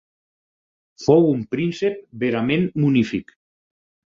Fou un príncep verament munífic.